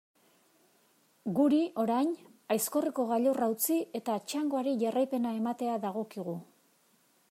Guri, orain, Aizkorriko gailurra utzi eta txangoari jarraipena ematea dagokigu.